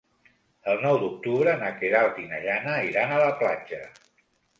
El nou d'octubre na Queralt i na Jana iran a la platja.